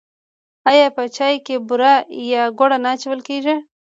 آیا په چای کې بوره یا ګوړه نه اچول کیږي؟